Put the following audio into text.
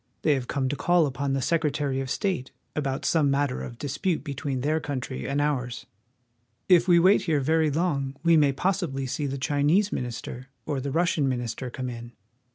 They have come to call upon the Sec retary of State about some matter of dispute between their 36 WASHINGTON. country and ours. If we wait here very long we may possibly see the Chinese minister or the Russian minister come in.